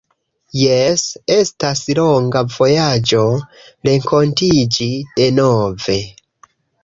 Jes estas longa vojaĝo renkontiĝi denove